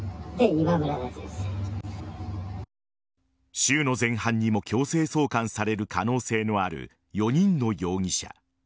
週の前半にも強制送還される可能性のある４人の容疑者。